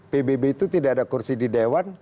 pbb itu tidak ada kursi di dewan